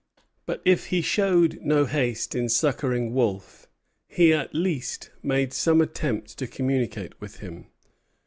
But if he showed no haste in succoring Wolfe, he at least made some attempts to communicate with him.